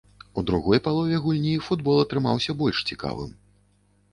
У другой палове гульні футбол атрымаўся больш цікавым.